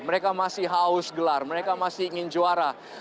mereka masih haus gelar mereka masih ingin juara